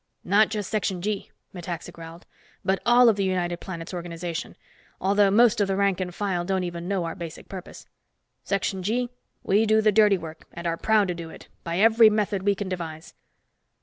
"Not just Section G," Metaxa growled, "but all of the United Planets organization, although most of the rank and file don't even know our basic purpose. Section G? We do the dirty work, and are proud to do it, by every method we can devise."